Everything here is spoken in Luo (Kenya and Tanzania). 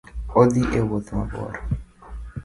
, odhi e wuoth mabor.